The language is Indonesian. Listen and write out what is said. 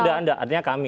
tidak tidak artinya kami